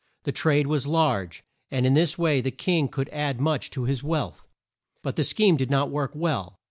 The trade was large, and in this way the king could add much to his wealth. But the scheme did not work well.